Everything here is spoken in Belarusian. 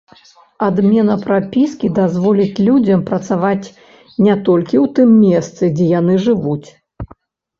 Адмена прапіскі дазволіць людзям працаваць не толькі ў тым месцы, дзе яны жывуць.